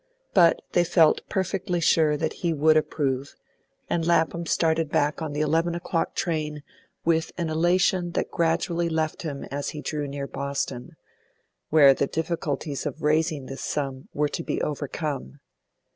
But they felt perfectly sure that he would approve; and Lapham started back on the eleven o'clock train with an elation that gradually left him as he drew near Boston, where the difficulties of raising this sum were to be over come.